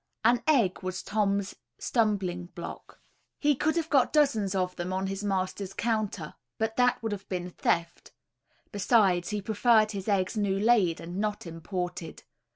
An egg was Tom's stumbling block. He could have got dozens of them on his master's counter, but that would have been theft; besides, he preferred his eggs new laid, and not imported.